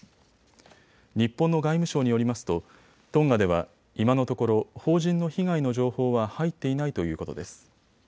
日本の外務省によりますとトンガでは今のところ邦人の被害の情報は入っていないということです。